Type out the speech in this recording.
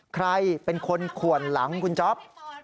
ใครเป็นคนขวนหลังคุณจ๊อป